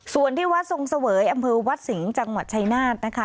ส่วนที่วัดทรงเสวยอำเภอวัดสิงห์จังหวัดชายนาฏนะคะ